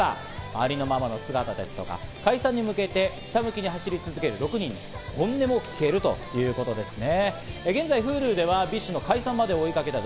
ありありのままの姿ですとか、解散に向けてひたむきに走り続ける６人の本音も聞けるということですね。